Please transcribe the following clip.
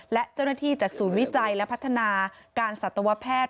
และเจ้าหน้าที่จากศูนย์วิจัยและพัฒนาการสัตวแพทย์